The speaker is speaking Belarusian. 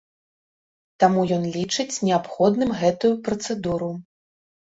Таму ён лічыць неабходным гэтую працэдуру.